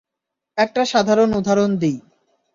একটা সাধারণ উদাহরণ দিই।